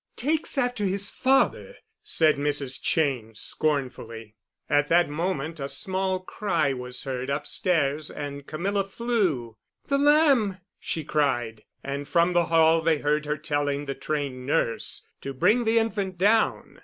"Takes after his father," said Mrs. Cheyne scornfully. At that moment a small cry was heard upstairs, and Camilla flew. "The lamb!" she cried, and from the hall they heard her telling the trained nurse to bring the infant down.